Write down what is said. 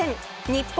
日本